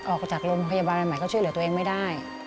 ออกจากโรงพยาบาลใหม่เขาช่วยเหลือตัวเองไม่ได้